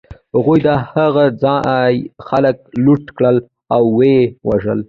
هغوی د هغه ځای خلک لوټ کړل او و یې وژل